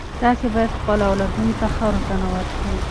تاسې باید خپلو اولادونو ته ښه روزنه ورکړئ.